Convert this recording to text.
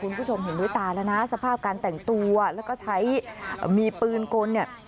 คุณผู้ชมเห็นด้วยตาแล้วนะสภาพการแต่งตัวแล้วก็ใช้มีปืนกลเนี่ย